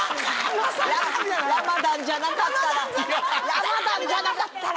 ラマダーンじゃなかったら！